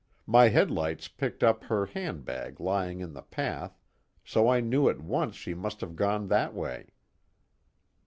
My headlights picked up her handbag lying in the path, so I knew at once she must have gone that way."